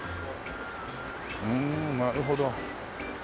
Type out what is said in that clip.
ふんなるほど。